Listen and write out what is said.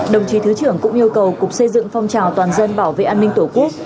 đồng chí thứ trưởng cũng yêu cầu cục xây dựng phong trào toàn dân bảo vệ an ninh tổ quốc